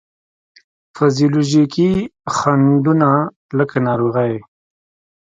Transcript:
فزیولوجیکي خنډو نه لکه ناروغي،